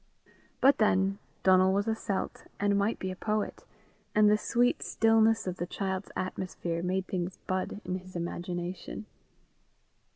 But then Donal was a Celt, and might be a poet, and the sweet stillness of the child's atmosphere made things bud in his imagination.